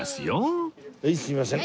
はいすいません。